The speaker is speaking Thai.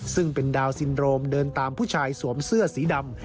ซึ่งเป็นดาวนซินโรมเดินตามผู้ชายสวมเสื้อสีดำ